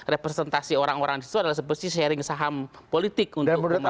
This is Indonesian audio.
representasi orang orang di situ adalah seperti sharing saham politik untuk pembangunan